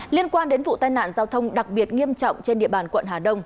liên quan đến vụ tai nạn giao thông đặc biệt nghiêm trọng trên địa bàn quận hà đông